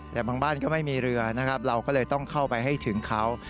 แต่บางบ้านก็ไม่มีเรือนะครับเราก็เลยต้องเข้าไปให้ถึงเขา